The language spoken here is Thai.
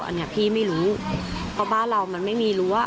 อันนี้พี่ไม่รู้เพราะบ้านเรามันไม่มีรั้ว